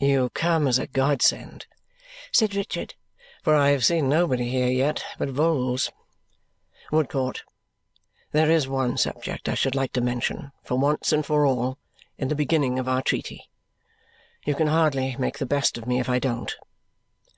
"You come as a godsend," said Richard, "for I have seen nobody here yet but Vholes. Woodcourt, there is one subject I should like to mention, for once and for all, in the beginning of our treaty. You can hardly make the best of me if I don't.